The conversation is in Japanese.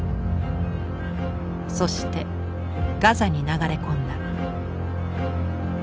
そしてガザに流れ込んだ。